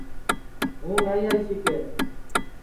ہوں نائی آئی سِکے